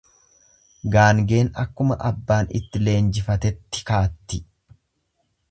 Gaangeen akkuma abbaan itti leenjifatetti kaatti.